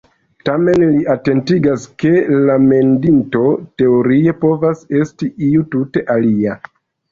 Tamen li atentigas, ke la mendinto teorie povas esti iu tute alia.